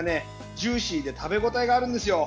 ジューシーで食べ応えがあるんですよ。